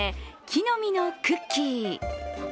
木の実のクッキー。